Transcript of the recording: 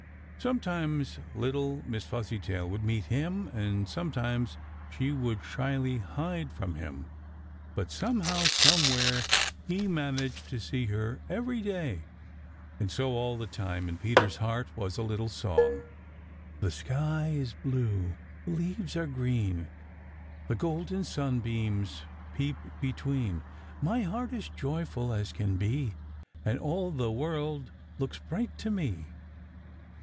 Sometimes little Miss Fuzzytail would meet him, and sometimes she would shyly hide from, him, but somehow, somewhere, he managed to see her every day, and so all the time in Peter's heart was a little song: "The sky is blue; the leaves are green; The golden sunbeams peep between; My heart is joyful as can be, And all the world looks bright to me."